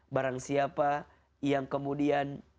barang siapa yang kemudian